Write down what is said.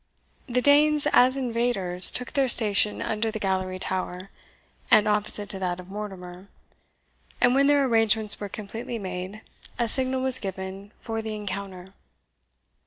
The Danes, as invaders, took their station under the Gallery tower, and opposite to that of Mortimer; and when their arrangements were completely made, a signal was given for the encounter.